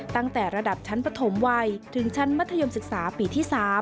ตั้งแต่ระดับชั้นปฐมวัยถึงชั้นมัธยมศึกษาปีที่๓